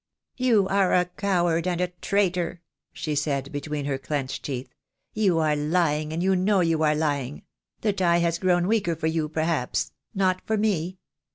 "You are a coward and a traitor!" she said, between her clenched teeth. "You are lying, and you know you are lying. The tie has grown weaker for you, perhaps — not for me.